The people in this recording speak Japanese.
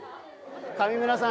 上村さん。